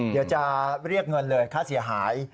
เดี๋ยวจะเรียกเงินเลยค่าเสียหาย